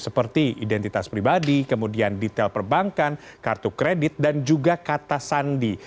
seperti identitas pribadi kemudian detail perbankan kartu kredit dan juga kata sandi